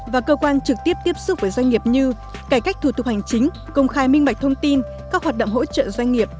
và cơ quan trực tiếp tiếp xúc với doanh nghiệp như cải cách thủ tục hành chính công khai minh bạch thông tin các hoạt động hỗ trợ doanh nghiệp